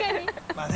まあね。